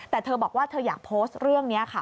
แต่เธอบอกว่าเธออยากโพสต์เรื่องนี้ค่ะ